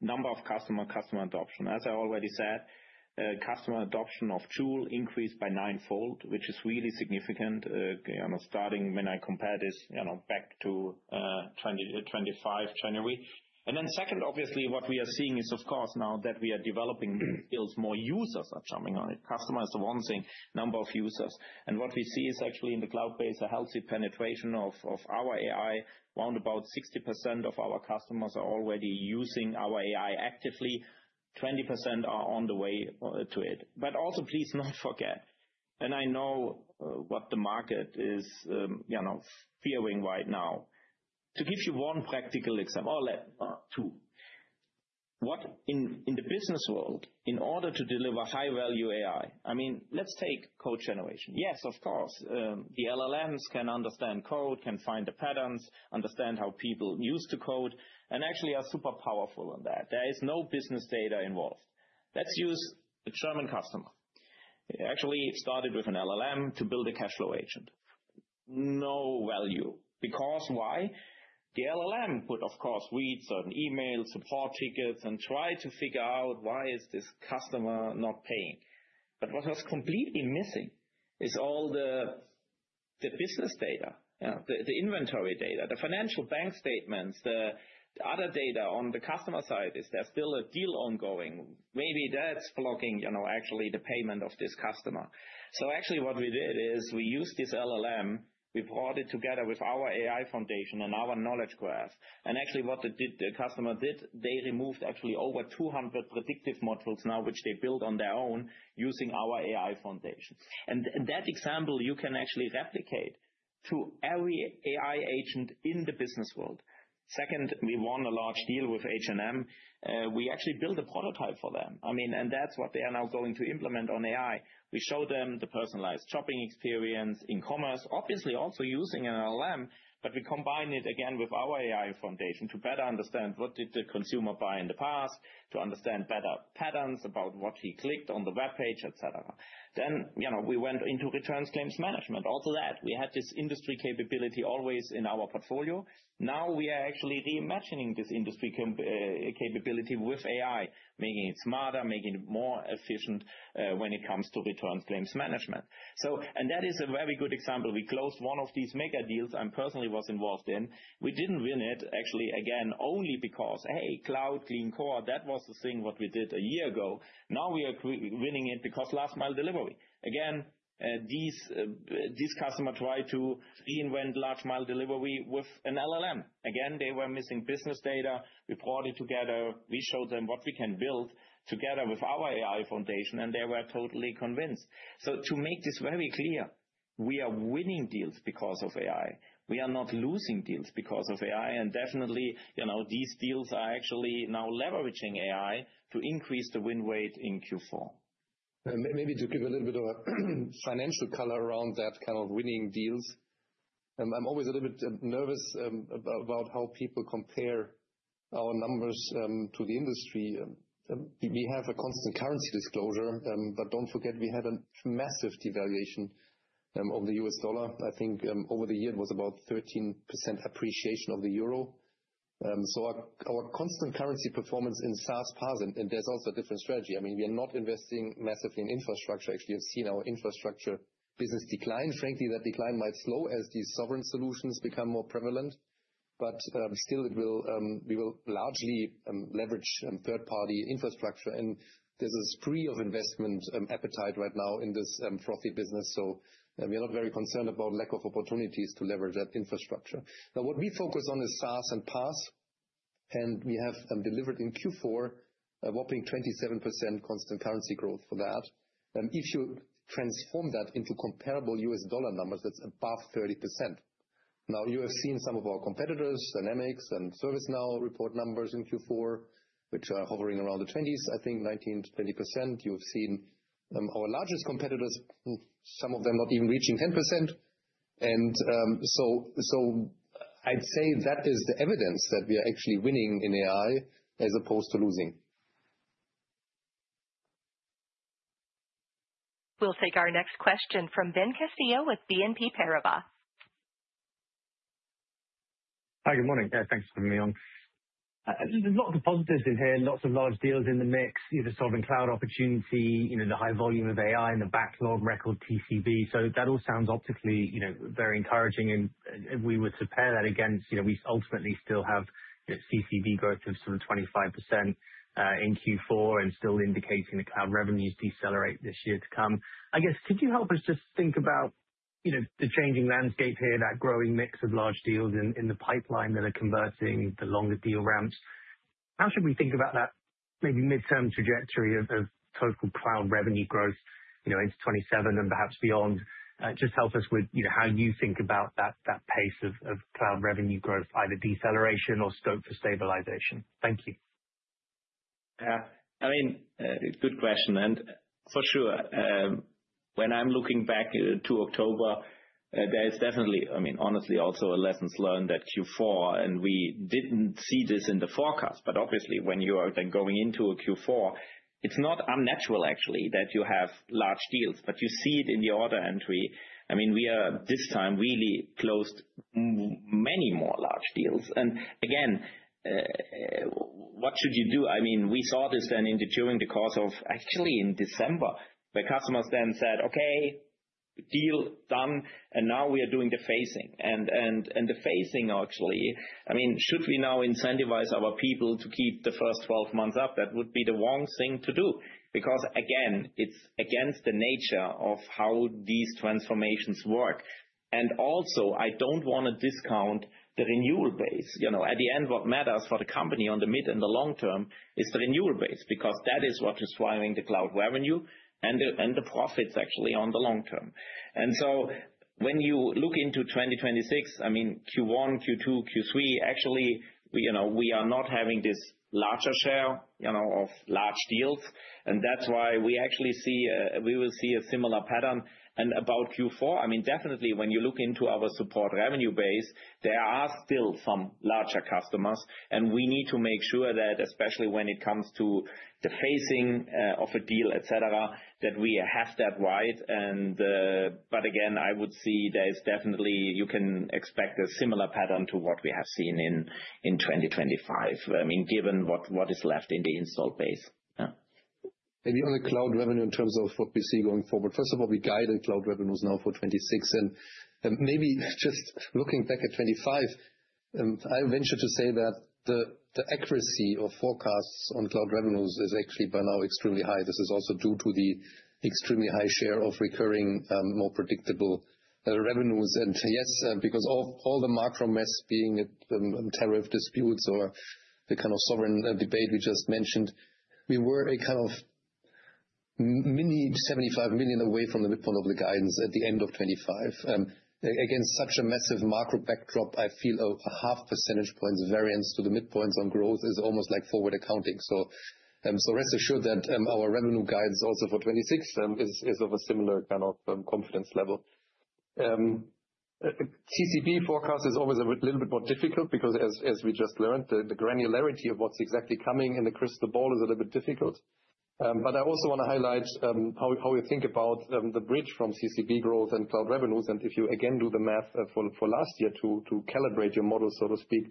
number of customer adoption. As I already said, customer adoption of Joule increased ninefold, which is really significant, you know, starting when I compare this, you know, back to January 2025. And then second, obviously, what we are seeing is, of course, now that we are developing builds more users of something, customers wanting number of users. And what we see is actually in the cloud base, a healthy penetration of our AI. Round about 60% of our customers are already using our AI actively. 20% are on the way to it. But also, please not forget, and I know what the market is, you know, fearing right now. To give you one practical example or two, what in the business world, in order to deliver high-value AI, I mean, let's take code generation. Yes, of course, the LLMs can understand code, can find the patterns, understand how people use the code, and actually are super powerful on that. There is no business data involved. Let's use a German customer. It actually started with an LLM to build a cashflow agent. No value. Because why? The LLM would, of course, read certain emails, support tickets, and try to figure out why is this customer not paying. But what was completely missing is all the business data, the inventory data, the financial bank statements, the other data on the customer side. Is there still a deal ongoing? Maybe that's blocking, you know, actually the payment of this customer. So actually, what we did is we used this LLM, we brought it together with our AI foundation and our Knowledge Graph. And actually, what it did, the customer did, they removed actually over 200 predictive modules now, which they built on their own using our AI foundation. And that example, you can actually replicate to every AI agent in the business world. Second, we won a large deal with H&M. We actually built a prototype for them. I mean, and that's what they are now going to implement on AI. We show them the personalized shopping experience in commerce, obviously also using an LLM, but we combine it again with our AI foundation to better understand what did the consumer buy in the past, to understand better patterns about what he clicked on the webpage, et cetera. Then, you know, we went into returns claims management. Also that, we had this industry capability always in our portfolio. Now we are actually reimagining this industry cap, capability with AI, making it smarter, making it more efficient, when it comes to returns claims management. So, and that is a very good example. We closed one of these mega deals I personally was involved in. We didn't win it, actually, again, only because, hey, cloud Clean Core, that was the thing what we did a year ago. Now we are winning it because last mile delivery. Again, these, this customer tried to reinvent last mile delivery with an LLM. Again, they were missing business data. We brought it together. We showed them what we can build together with our AI foundation, and they were totally convinced. So to make this very clear, we are winning deals because of AI. We are not losing deals because of AI, and definitely, you know, these deals are actually now leveraging AI to increase the win rate in Q4. Maybe to give a little bit of a financial color around that kind of winning deals, and I'm always a little bit nervous about how people compare our numbers to the industry. We have a constant currency disclosure, but don't forget, we had a massive devaluation of the US dollar. I think over the year it was about 13% appreciation of the euro. So our constant currency performance in SaaS, PaaS, and there's also a different strategy. I mean, we are not investing massively in infrastructure. Actually, you've seen our infrastructure business decline. Frankly, that decline might slow as these sovereign solutions become more prevalent, but still it will, we will largely leverage third-party infrastructure, and there's a spree of investment appetite right now in this frothy business. So, we are not very concerned about lack of opportunities to leverage that infrastructure. Now, what we focus on is SaaS and PaaS, and we have delivered in Q4 a whopping 27% constant currency growth for that. And if you transform that into comparable US dollar numbers, that's above 30%. Now, you have seen some of our competitors, Dynamics and ServiceNow, report numbers in Q4, which are hovering around the twenties, I think 19%-20%. You've seen our largest competitors, some of them not even reaching 10%. And, so, so I'd say that is the evidence that we are actually winning in AI as opposed to losing. We'll take our next question from Ben Castillo with BNP Paribas. Hi, good morning. Thanks for putting me on. There's lots of positives in here, lots of large deals in the mix, either sovereign cloud opportunity, you know, the high volume of AI and the backlog record TCB. So that all sounds optically, you know, very encouraging, and, and if we were to pair that against, you know, we ultimately still have the TCV growth of sort of 25%, in Q4 and still indicating the cloud revenues decelerate this year to come. I guess, could you help us just think about, you know, the changing landscape here, that growing mix of large deals in, in the pipeline that are converting the longer deal ramps? How should we think about that maybe midterm trajectory of, of total cloud revenue growth, you know, into 2027 and perhaps beyond? Just help us with, you know, how you think about that pace of cloud revenue growth, either deceleration or scope for stabilization. Thank you. I mean, good question, and for sure, when I'm looking back to October, there is definitely, I mean, honestly, also a lessons learned at Q4, and we didn't see this in the forecast. But obviously, when you are then going into a Q4, it's not unnatural, actually, that you have large deals, but you see it in the order entry. I mean, we are this time really closed many more large deals. And again, what should you do? I mean, we saw this then in the during the course of. Actually, in December, the customers then said, "Okay, deal done, and now we are doing the phasing." And the phasing, actually, I mean, should we now incentivize our people to keep the first 12 months up? That would be the wrong thing to do, because, again, it's against the nature of how these transformations work. And also, I don't wanna discount the renewal base. You know, at the end, what matters for the company on the mid and the long term is the renewal base, because that is what is driving the cloud revenue and the, and the profits actually on the long term. And so when you look into 2026, I mean, Q1, Q2, Q3, actually, we, you know, we are not having this larger share, you know, of large deals, and that's why we actually see, we will see a similar pattern. About Q4, I mean, definitely when you look into our support revenue base, there are still some larger customers, and we need to make sure that, especially when it comes to the phasing of a deal, et cetera, that we have that right. But again, I would say there is definitely, you can expect a similar pattern to what we have seen in 2025, I mean, given what is left in the installed base. Yeah. On the cloud revenue in terms of what we see going forward, first of all, we guided cloud revenues now for 26, and maybe just looking back at 25, I venture to say that the accuracy of forecasts on cloud revenues is actually by now extremely high. This is also due to the extremely high share of recurring, more predictable, revenues. And yes, because all the macro mess being it, tariff disputes or the kind of sovereign debate we just mentioned, we were a kind of only 75 million away from the midpoint of the guidance at the end of 2025. Again, such a massive macro backdrop, I feel a 0.5 percentage points variance to the midpoints on growth is almost like forward accounting. So, rest assured that, our revenue guidance also for 2026, is of a similar kind of, confidence level. TCB forecast is always a little bit more difficult because as we just learned, the granularity of what's exactly coming in the crystal ball is a little bit difficult. But I also want to highlight, how we think about, the bridge from CCB growth and cloud revenues. If you again do the math for last year to calibrate your model, so to speak,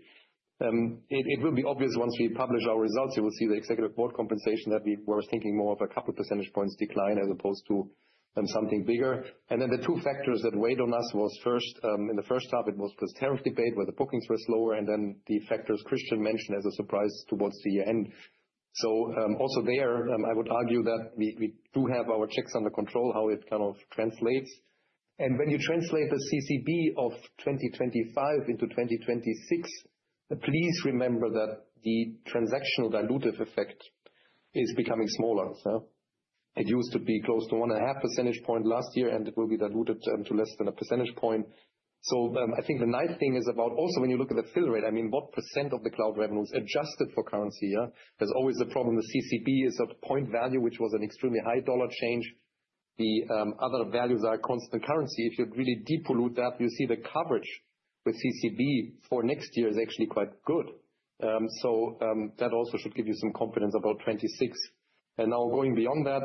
it will be obvious once we publish our results. You will see the executive board compensation that we were thinking more of a couple percentage points decline as opposed to something bigger. Then the two factors that weighed on us was first, in the first half, it was this tariff debate, where the bookings were slower, and then the factors Christian mentioned as a surprise towards the end. Also there, I would argue that we do have our checks under control, how it kind of translates. When you translate the CCB of 2025 into 2026, please remember that the transactional dilutive effect is becoming smaller. It used to be close to 1.5 percentage points last year, and it will be diluted to less than 1 percentage point. I think the nice thing is about also when you look at the fill rate, I mean, what % of the cloud revenues adjusted for currency, yeah, there's always a problem with CCB is a point value, which was an extremely high dollar change. The other values are constant currency. If you really depollute that, you see the coverage with CCB for next year is actually quite good. That also should give you some confidence about 2026. Now going beyond that,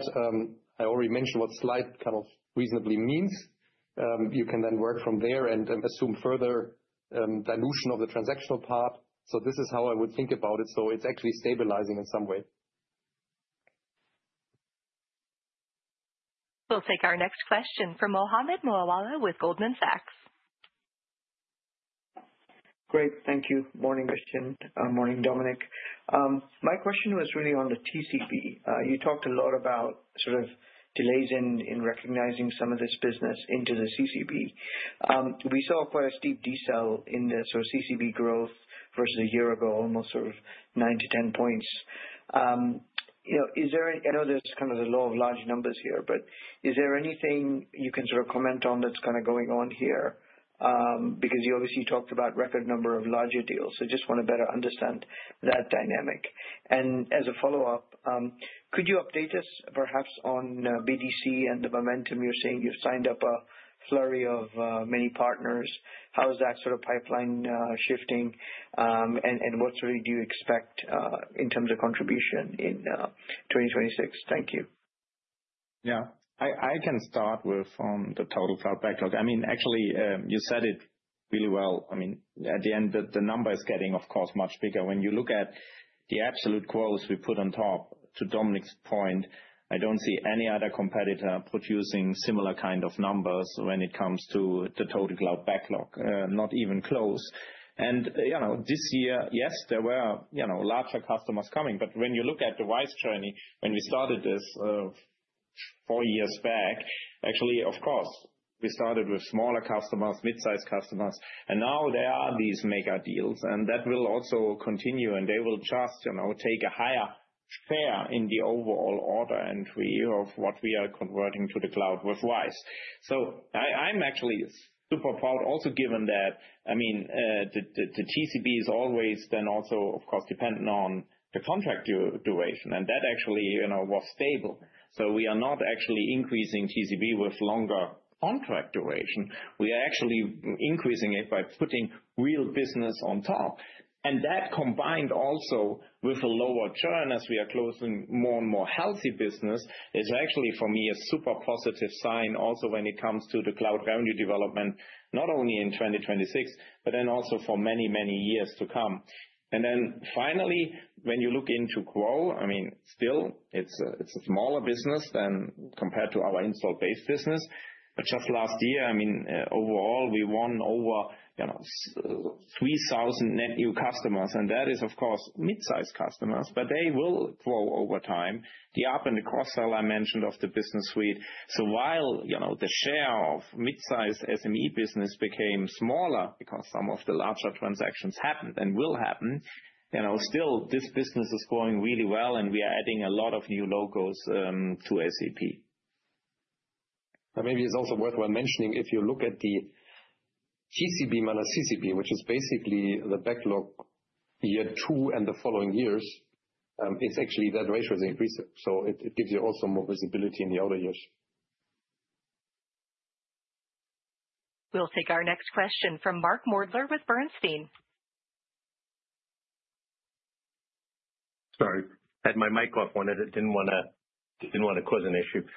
I already mentioned what slight kind of reasonably means. You can then work from there and assume further dilution of the transactional part. This is how I would think about it. It's actually stabilizing in some way. We'll take our next question from Mohammed Moawalla with Goldman Sachs. Great, thank you. Morning, Christian. Morning, Dominik. My question was really on the TCB. You talked a lot about sort of delays in, in recognizing some of this business into the CCB. We saw quite a steep decel in the sort of CCB growth versus a year ago, almost sort of 9-10 points. You know, is there anything? I know there's kind of the law of large numbers here, but is there anything you can sort of comment on that's kind of going on here? Because you obviously talked about record number of larger deals, so just want to better understand that dynamic. And as a follow-up, could you update us perhaps on, BTP and the momentum you're saying you've signed up a flurry of, many partners. How is that sort of pipeline, shifting? What sort of do you expect in terms of contribution in 2026? Thank you. Yeah. I, I can start with the total cloud backlog. I mean, actually, you said it really well. I mean, at the end, the, the number is getting, of course, much bigger. When you look at the absolute quotas we put on top, to Dominik's point, I don't see any other competitor producing similar kind of numbers when it comes to the total cloud backlog, not even close. And, you know, this year, yes, there were, you know, larger customers coming, but when you look at the RISE journey, when we started this, four years back, actually, of course, we started with smaller customers, mid-sized customers, and now there are these mega deals, and that will also continue, and they will just, you know, take a higher share in the overall order entry of what we are converting to the cloud with RISE. So, I'm actually super proud also, given that, I mean, the TCB is always then also, of course, dependent on the contract duration, and that actually, you know, was stable. So we are not actually increasing TCB with longer contract duration. We are actually increasing it by putting real business on top. And that combined also with a lower churn as we are closing more and more healthy business, is actually, for me, a super positive sign also when it comes to the cloud revenue development, not only in 2026, but then also for many, many years to come. And then finally, when you look into GROW, I mean, still it's a smaller business than compared to our installed-base business. But just last year, I mean, overall, we won over, you know, 3,000 net new customers, and that is of course, mid-sized customers, but they will grow over time. The up and the cross-sell I mentioned of the Business Suite. So while, you know, the share of mid-sized SME business became smaller because some of the larger transactions happened and will happen, you know, still this business is growing really well, and we are adding a lot of new logos to SAP. Maybe it's also worthwhile mentioning, if you look at the TCB minus CCB, which is basically the backlog, the year two and the following years, it's actually that ratio is increasing, so it gives you also more visibility in the outer years. We'll take our next question from Mark Moerdler with Bernstein. Sorry, I had my mic off, wanted it, didn't want to, didn't want to cause an issue.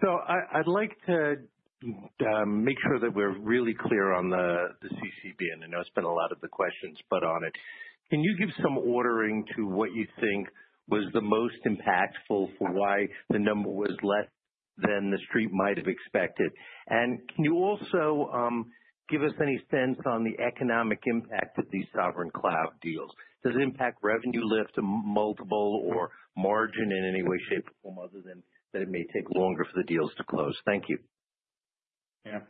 So I, I'd like to make sure that we're really clear on the, the CCB, and I know it's been a lot of the questions put on it. Can you give some ordering to what you think was the most impactful for why the number was less than the street might have expected? And can you also give us any sense on the economic impact of these sovereign cloud deals? Does it impact revenue lift, multiple or margin in any way, shape, or form other than that it may take longer for the deals to close? Thank you. Yeah.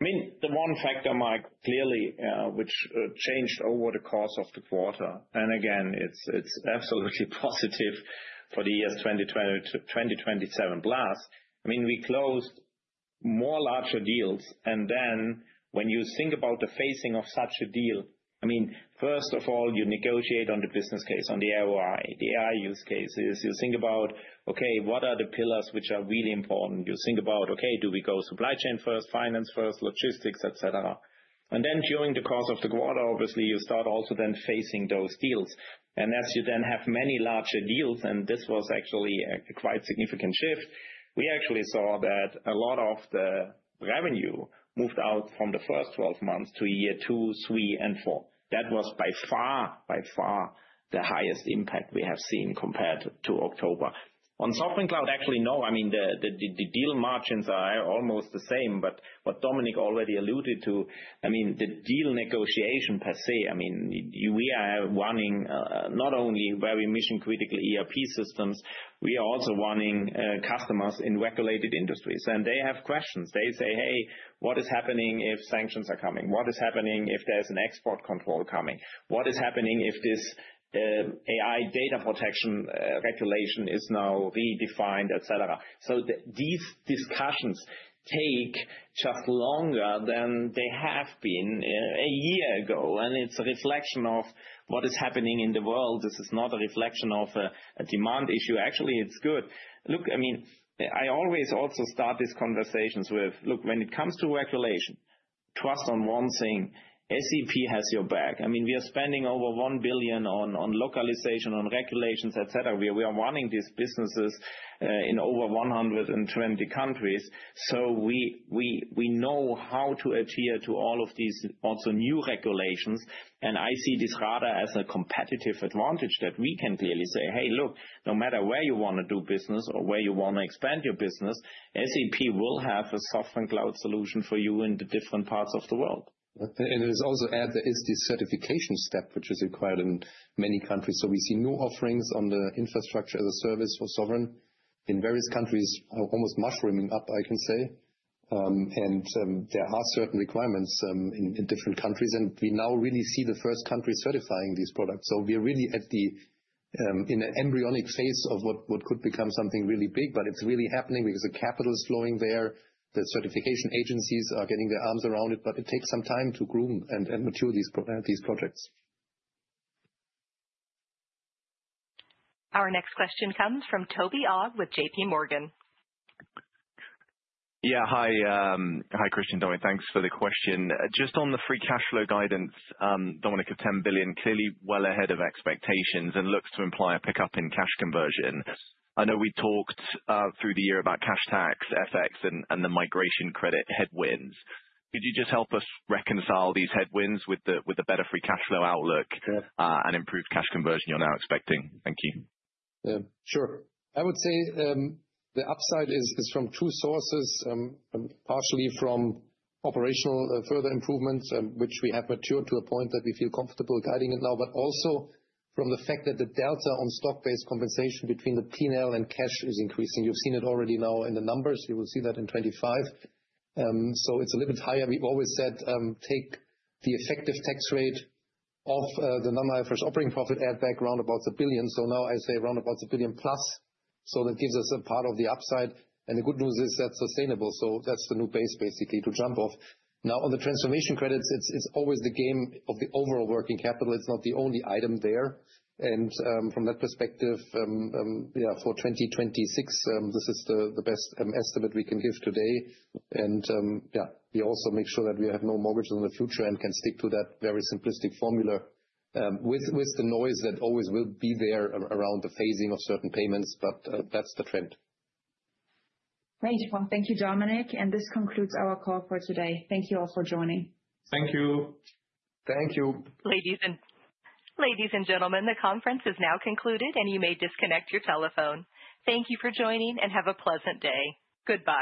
I mean, the one factor, Mike, clearly, which changed over the course of the quarter, and again, it's, it's absolutely positive for the years 2020 to 2027 plus. I mean, we closed more larger deals, and then when you think about the phasing of such a deal, I mean, first of all, you negotiate on the business case, on the ROI, the AI use cases. You think about, okay, what are the pillars which are really important? You think about, okay, do we go supply chain first, finance first, logistics, et cetera. And then during the course of the quarter, obviously, you start also then phasing those deals. And as you then have many larger deals, and this was actually a quite significant shift, we actually saw that a lot of the revenue moved out from the first twelve months to year two, three, and four. That was by far, by far the highest impact we have seen compared to October. On Sovereign Cloud, actually, no. I mean, the deal margins are almost the same, but what Dominik already alluded to, I mean, the deal negotiation per se, I mean, we are running not only very mission critical ERP systems, we are also running customers in regulated industries. And they have questions. They say, "Hey, what is happening if sanctions are coming? What is happening if there's an export control coming? What is happening if this AI data protection regulation is now redefined," et cetera. So these discussions take just longer than they have been a year ago, and it's a reflection of what is happening in the world. This is not a reflection of a demand issue. Actually, it's good. Look, I mean, I always also start these conversations with, look, when it comes to regulation, trust on one thing: SAP has your back. I mean, we are spending over 1 billion on localization, on regulations, et cetera. We are running these businesses in over 120 countries, so we know how to adhere to all of these also new regulations, and I see this rather as a competitive advantage that we can clearly say, "Hey, look, no matter where you wanna do business or where you wanna expand your business, SAP will have a Sovereign Cloud solution for you in the different parts of the world. And there's also a certification step, which is required in many countries. So we see new offerings on the infrastructure as a service for sovereign in various countries, almost mushrooming up, I can say. And there are certain requirements in different countries, and we now really see the first country certifying these products. So we are really at the embryonic phase of what could become something really big, but it's really happening because the capital is flowing there. The certification agencies are getting their arms around it, but it takes some time to groom and mature these projects. Our next question comes from Toby Ogg with JPMorgan. Yeah, hi. Hi, Christian, Dominik. Thanks for the question. Just on the free cash flow guidance, Dominik, of 10 billion, clearly well ahead of expectations and looks to imply a pickup in cash conversion. I know we talked through the year about cash tax, FX, and the migration credit headwinds. Could you just help us reconcile these headwinds with the better free cash flow outlook- Sure. Improved cash conversion you're now expecting? Thank you. Sure. I would say, the upside is from two sources, partially from operational further improvements, which we have matured to a point that we feel comfortable guiding it now, but also from the fact that the delta on stock-based compensation between the P&L and cash is increasing. You've seen it already now in the numbers. You will see that in 2025. So it's a little bit higher. We've always said, take the effective tax rate of the non-IFRS operating profit, add back round about 1 billion. So now I say round about 1 billion plus, so that gives us a part of the upside. And the good news is that's sustainable, so that's the new base, basically, to jump off. Now, on the transformation credits, it's always the game of the overall working capital. It's not the only item there. From that perspective, yeah, for 2026, this is the best estimate we can give today. Yeah, we also make sure that we have no mortgages in the future and can stick to that very simplistic formula, with the noise that always will be there around the phasing of certain payments, but that's the trend. Great. Well, thank you, Dominik, and this concludes our call for today. Thank you all for joining. Thank you. Thank you. Ladies and gentlemen, the conference is now concluded, and you may disconnect your telephone. Thank you for joining, and have a pleasant day. Goodbye.